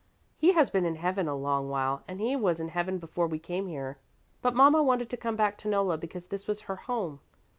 "He has been in heaven a long while, and he was in heaven before we came here, but mama wanted to come back to Nolla because this was her home.